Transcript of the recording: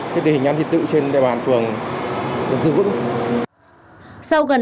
cái tình hình an ninh tự trên địa bàn phường được giữ vững